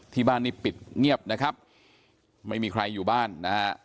ที่บ้านนี้ปิดเงียบนะครับไม่มีใครอยู่บ้านนะฮะ